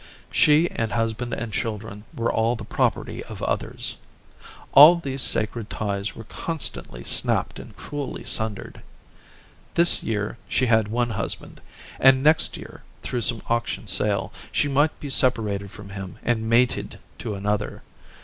She and husband and children were all the property of others. All these sacred ties were constantly snapped and cruelly sundered. This year she had one husband; and next year, through some auction sale, she might be separated from him and mated to another.